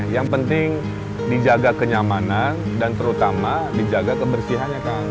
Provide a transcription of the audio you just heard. yang penting dijaga kenyamanan dan terutama dijaga kebersihannya kan